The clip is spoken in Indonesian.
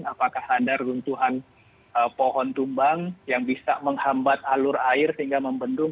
apakah ada runtuhan pohon tumbang yang bisa menghambat alur air sehingga membendung